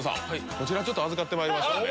こちら預かってまいりましたんで。